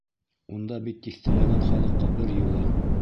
Унда бит тиҫтәләгән халыҡҡа бер юлы...